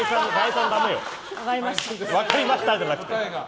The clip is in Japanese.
分かりましたじゃなくて！